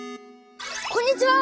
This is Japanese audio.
こんにちは！